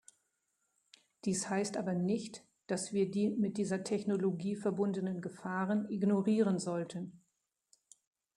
Dies heißt aber nicht, dass wir die mit dieser Technologie verbundenen Gefahren ignorieren sollten.